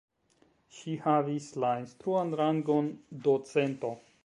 Ŝi havis la instruan rangon docento.